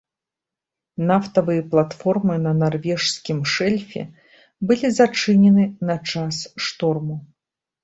Нафтавыя платформы на нарвежскім шэльфе былі зачынены на час шторму.